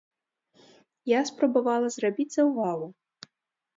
Я спрабавала зрабіць заўвагу.